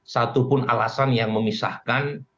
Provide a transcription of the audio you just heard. satupun alasan yang memisahkan